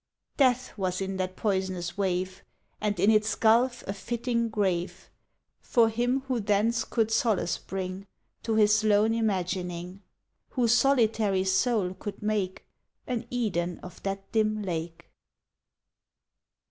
Death was in that poisonous wave, And in its gulf a fitting grave For him who thence could solace bring To his lone imagining Whose solitary sole could make An Eden of that dim lake.